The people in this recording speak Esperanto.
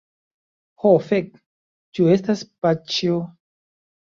Ho fek, ĉu estas paĉjo?